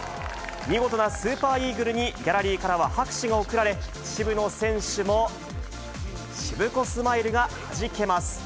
見事なスーパーイーグルに、ギャラリーからは拍手が送られ、渋野選手も、しぶこスマイルがはじけます。